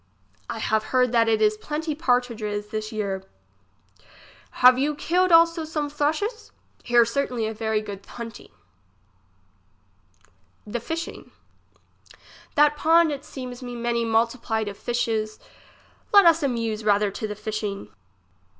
I have heard that it is plenty pardridges this year. Have you killed also some thrushes. Here certainly a very good hunting. T^/ie fishing. That pond it seems me many multiplied of fishes. Let us amuse rather to the fishing. 42 English as she is spoke.